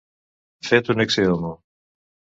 Fet un eccehomo.